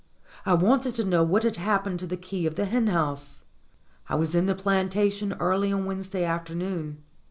I wanted to know what had happened to the key of the hen house. I was in the plantation early on Wednesday after noon.